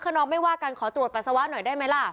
น้องไม่ว่ากันขอตรวจปัสสาวะหน่อยได้ไหมล่ะ